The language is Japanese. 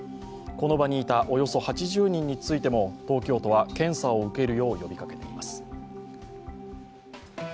この場にいたおよそ８０人についても、東京都は検査を受けるよう呼びかけています。